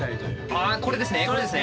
あこれですね。